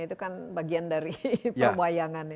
itu kan bagian dari permohonan